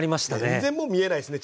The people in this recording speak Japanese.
全然もう見えないっすね